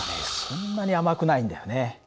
そんなに甘くないんだよね。